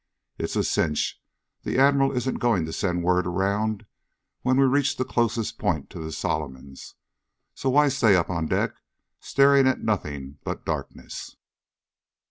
"It's a cinch the Admiral isn't going to send word around when we reach the closest point to the Solomons, so why stay up on deck staring at nothing but darkness?"